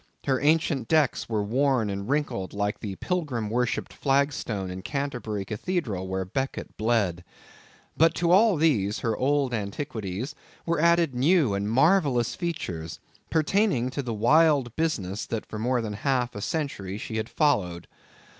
Her ancient decks were worn and wrinkled, like the pilgrim worshipped flag stone in Canterbury Cathedral where Becket bled. But to all these her old antiquities, were added new and marvellous features, pertaining to the wild business that for more than half a century she had followed.